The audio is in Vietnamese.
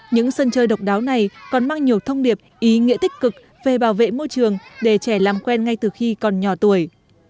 những sân chơi độc đáo này còn mang nhiều thông điệp ý nghĩa tích cực về bảo vệ môi trường để trẻ làm quen ngay từ khi còn nhỏ tuổi